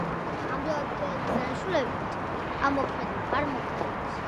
ამჟამად პირველადი დანიშნულებით არ მოქმედებს.